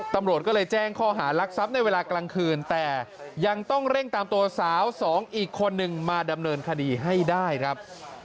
ตำรวจก็เลยแจ้งข้อหารักทรัพย์ในเวลากลางคืนแต่ยังต้องเร่งตามตัวสาวสองอีกคนนึงมาดำเนินคดีให้ได้ครับ